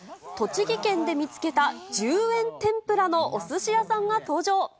栃木県で見つけた１０円天ぷらのおすし屋さんが登場。